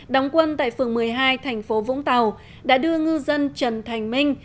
đóng quân tại phường một mươi hai thành phố vũng tàu đã đưa ngư dân trần thành minh